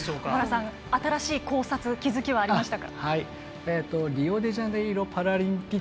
新しい考察気付きはありましたか？